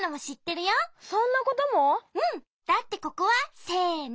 だってここはせの。